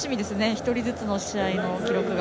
１人ずつの試合の記録が。